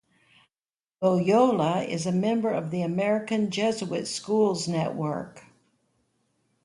Loyola is a member of the American Jesuit Schools Network.